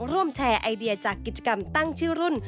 ร่วมแชร์ไอเดียจากกิจกรรมตั้งชื่อรุ่น